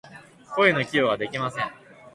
声の寄付ができません。